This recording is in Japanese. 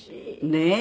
ねえ。